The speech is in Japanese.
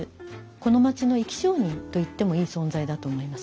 この町の生き証人と言ってもいい存在だと思います。